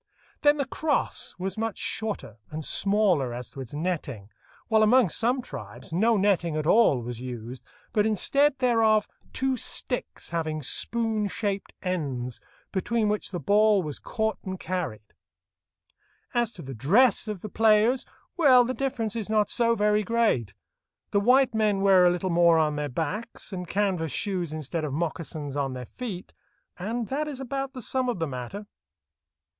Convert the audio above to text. Then the crosse was much shorter, and smaller as to its netting, while among some tribes no netting at all was used, but instead thereof two sticks having spoon shaped ends, between which the ball was caught and carried. As to the dress of the players—well, the difference is not so very great. The white men wear a little more on their backs, and canvas shoes instead of moccasins on their feet, and that is about the sum of the matter.